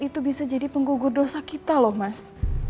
itu bisa jadi penggugur dosa kita loh mas